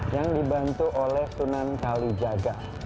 sunan kali jaga